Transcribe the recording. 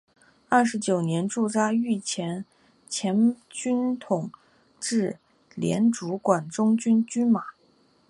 二十九年驻扎御前前军统制兼主管中军军马。